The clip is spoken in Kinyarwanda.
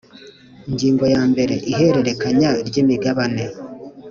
Ingingo ya mbere Ihererekanya ry imigabane